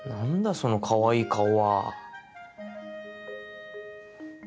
そのかわいい顔は！